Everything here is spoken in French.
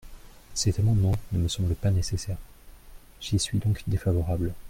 Cet amendement ne me semble pas nécessaire : j’y suis donc défavorable.